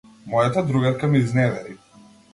Мојата другарка ме изневери.